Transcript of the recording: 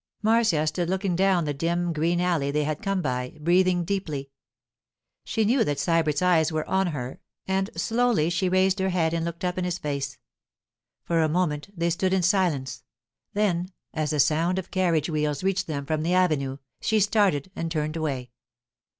Marcia stood looking down the dim, green alley they had come by, breathing deeply. She knew that Sybert's eyes were on her, and slowly she raised her head and looked up in his face. For a moment they stood in silence; then, as the sound of carriage wheels reached them from the avenue, she started and turned away.